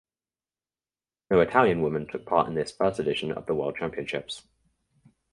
No Italian woman took part in this first edition of the world championships.